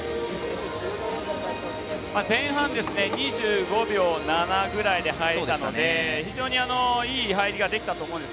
前半、２５秒７ぐらいで入ったので非常にいい入りができたと思うんです。